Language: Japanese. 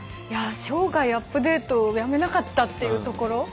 いや生涯アップデートをやめなかったっていうところ。